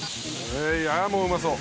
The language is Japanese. ああもううまそう！